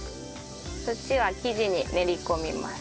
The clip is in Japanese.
そっちは生地に練り込みます。